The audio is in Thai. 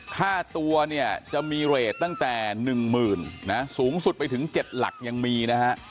ค่าตัวเนี่ยจะมีเรทตั้งแต่หนึ่งหมื่นนะสูงสุดไปถึงเจ็ดหลักยังมีนะฮะ